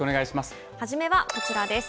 初めはこちらです。